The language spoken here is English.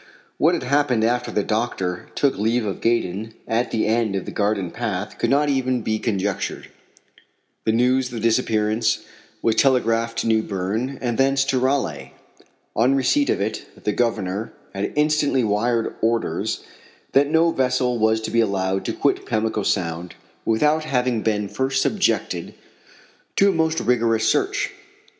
What had happened after the doctor took leave of Gaydon at the end of the garden path could not even be conjectured. The news of the disappearance was telegraphed to New Berne, and thence to Raleigh. On receipt of it the Governor had instantly wired orders that no vessel was to be allowed to quit Pamlico Sound without having been first subjected to a most rigorous search.